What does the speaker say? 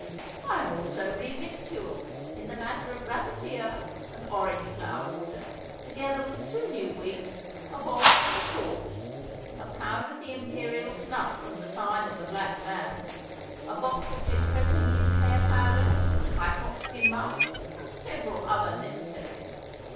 'I am also revictualled in the matter of ratafia and orange flower water, together with two new wigs, a bob and a court, a pound of the Imperial snuff from the sign of the Black Man, a box of De Crepigny's hair powder, my foxskin muff, and several other necessaries.